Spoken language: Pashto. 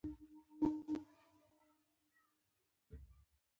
آیا په ژمي کې لاره خلاصه وي؟